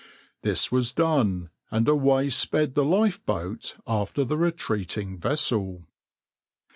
This was done, and away sped the lifeboat after the retreating vessel.